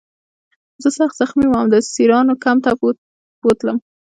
زه سخت زخمي وم او د اسیرانو کمپ ته یې بوتلم